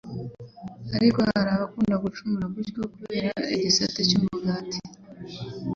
ariko hari abacumura batyo kubera igisate cy’umugati